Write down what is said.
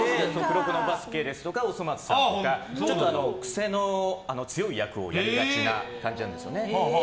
「黒子のバスケ」ですとか「おそ松さん」とかちょっと癖の強い役をやりがちな感じなんですよね。